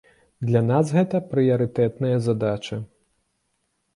Для нас гэта прыярытэтная задача.